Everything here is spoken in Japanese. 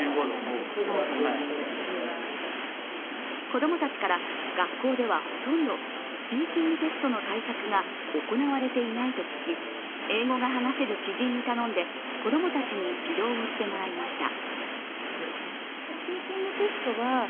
子供たちから、学校ではほとんどスピーキングテストの対策が行われていないと聞き英語が話せる知人に頼んで、子供たちに指導をしてもらいました。